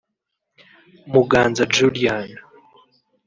Muganza Julian